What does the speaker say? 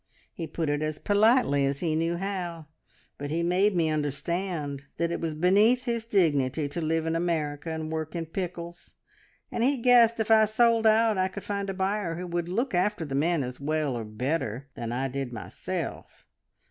He put it as politely as he knew how, but he made me understand that it was beneath his dignity to live in America and work in pickles, and he guessed if I sold out I could find a buyer who would look after the men as well as or better than I did myself.